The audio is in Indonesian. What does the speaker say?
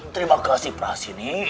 terima kasih prasini